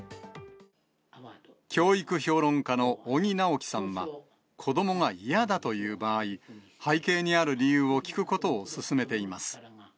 教育評論家の尾木直樹さんは、子どもが嫌だと言う場合、背景にある理由を聞くことを勧めています。